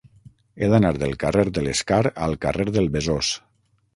He d'anar del carrer de l'Escar al carrer del Besòs.